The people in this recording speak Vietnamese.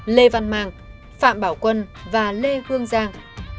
lê văn mang phạm bảo quân và lê hương giang